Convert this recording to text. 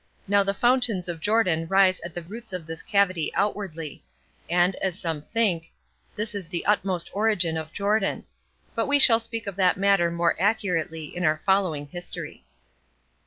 Now the fountains of Jordan rise at the roots of this cavity outwardly; and, as some think, this is the utmost origin of Jordan: but we shall speak of that matter more accurately in our following history.